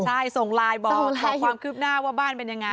ใช่ส่งไลน์บอกขอความคืบหน้าว่าบ้านเป็นยังไง